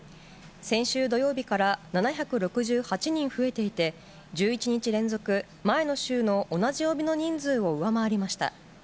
先週土曜日から７６８人増えていて、１１日連続、前の週の同じ曜日の人数を上回りました。